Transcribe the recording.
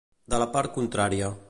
De la part contrària.